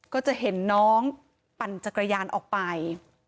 ก็จะเห็นน้องปั่นจักรยานออกไป